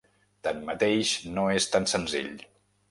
Tanmateix, no és tan senzill.